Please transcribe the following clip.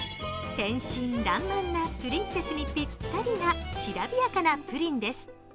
天真爛漫なプリンセスにぴったりな、きらびやかなプリンです。